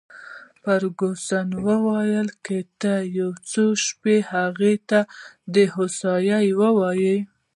فرګوسن وویل: که ته یو څو شپې هغې ته د هوسایۍ وواېې.